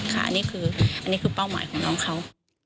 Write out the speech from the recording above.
ค่ะอันนี้คือเป้าหมายของน้องเขา